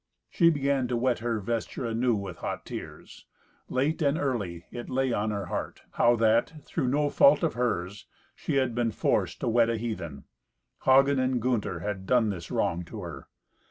She began to wet her vesture anew with hot tears. Late and early it lay on her heart, how that, through no fault of hers, she had been forced to wed a heathen. Hagen and Gunther had done this wrong to her.